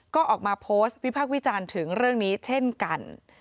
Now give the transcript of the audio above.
ก็ออกมาโพสต์วิพากษ์วิจารณ์ถึงเรื่องนี้เช่นกัน